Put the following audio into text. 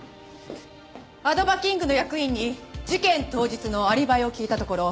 アドバキングの役員に事件当日のアリバイを聞いたところ。